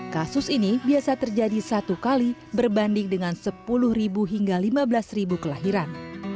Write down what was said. kasus ini biasa terjadi satu kali berbanding dengan sepuluh hingga lima belas kelahiran